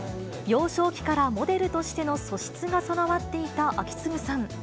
幼少期からモデルとしての素質が備わっていた章胤さん。